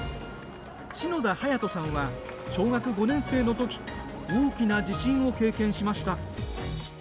篠田隼人さんは小学５年生のとき大きな地震を経験しました。